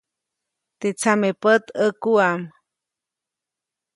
Teʼ tsamepät ʼäkuʼam.